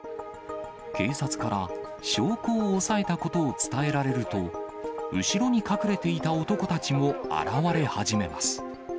警察から証拠を押さえたことを伝えられると、後ろに隠れいた男たちも現れ始めます。